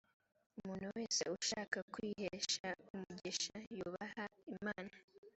umuntu wese ushaka kwihesha umugisha yubahe imana.